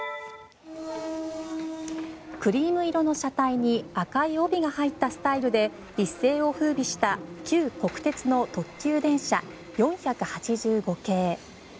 クリーム色の車体に赤い帯が入ったスタイルで一世を風靡した旧国鉄の特急電車４８５系。